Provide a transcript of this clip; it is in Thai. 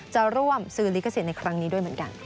จะร่วมซื้อลิขสิทธิ์ในครั้งนี้ด้วยเหมือนกัน